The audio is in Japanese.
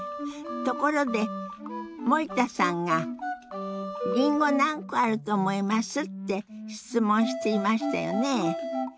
ところで森田さんが「りんご何個あると思います？」って質問していましたよね。